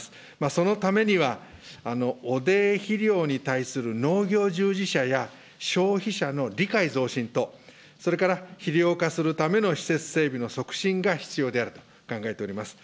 そのためには、汚泥肥料に対する農業従事者や消費者の理解増進と、それから肥料化するための施設整備の促進が必要であると考えております。